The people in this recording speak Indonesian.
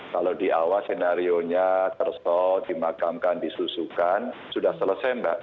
kalau di awal senario nya tersot dimakamkan disusukan sudah selesai mbak